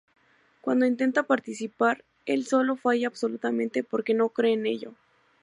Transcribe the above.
Cuando intenta participar, el solo falla absolutamente porque no cree en ello.